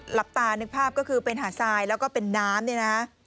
หลับตานึกภาพก็คือเป็นหาดทรายแล้วก็เป็นน้ำเนี่ยนะ